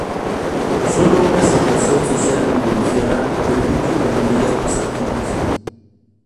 Sólo una situación social privilegiada permite combinar estos activos.